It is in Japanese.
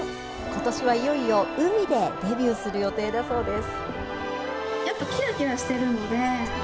ことしはいよいよ、海でデビューする予定だそうです。